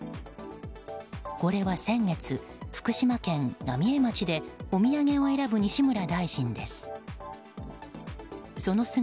これは先月、福島県浪江町でお土産を選ぶ西村大臣です。